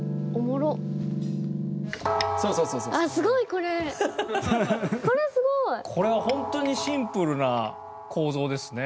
これはホントにシンプルな構造ですね。